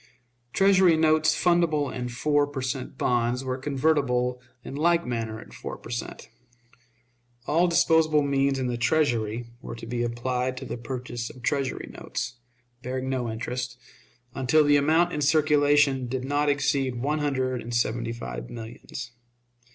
Treasury notes fundable in four per cent. bonds were convertible in like manner at four per cent. All disposable means in the Treasury were to be applied to the purchase of Treasury notes, bearing no interest, until the amount in circulation did not exceed one hundred and seventy five millions.